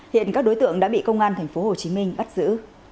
hiện các đối tượng đã bị công an tp hcm bắt giữ